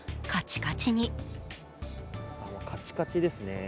カチカチですね。